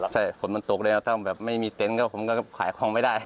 ใช่ฝนมันตกแล้วถ้าแบบไม่มีเต็นต์ก็ผมก็ขายของไม่ได้